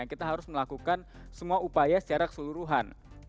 kita harus melakukan semua upaya secara keseluruhan